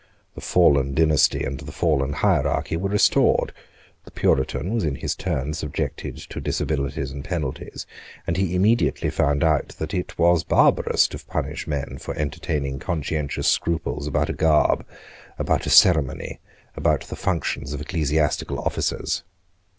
The fallen dynasty and the fallen hierarchy were restored. The Puritan was in his turn subjected to disabilities and penalties; and he immediately found out that it was barbarous to punish men for entertaining conscientious scruples about a garb, about a ceremony, about the functions of ecclesiastical officers.